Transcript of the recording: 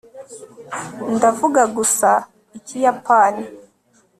ndavuga gusa ikiyapani